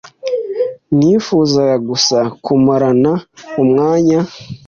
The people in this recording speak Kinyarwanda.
Nifuzaga gusa kumarana umwanya.